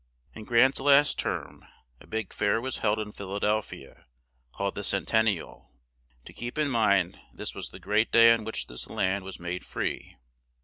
In Grant's last term, a big fair was held in Phil a del phi a, called the "Cen ten ni al;" to keep in mind this was the great day on which this land was made free.